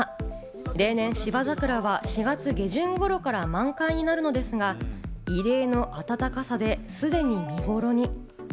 例年、芝ざくらは４月下旬頃から満開になるのですが、異例の暖かさで、すでに見頃に。